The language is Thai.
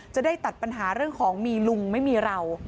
จะได้ตัดปัญหาเรื่องของมีลุงไม่มีเรา